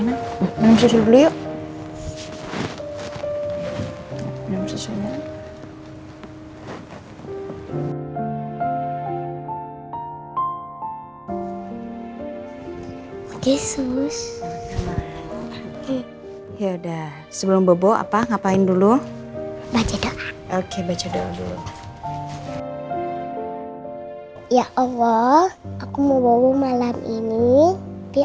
ya udah sebelum bobo apa ngapain dulu oke baca dulu ya allah aku mau malam ini